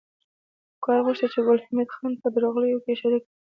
همکار غوښتل چې ګل حمید خان په درغلیو کې شریک کړي